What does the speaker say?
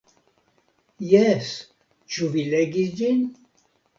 Jes, ĉu vi legis ĝin?